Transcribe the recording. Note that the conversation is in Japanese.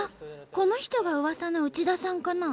この人がうわさのウチダさんかな？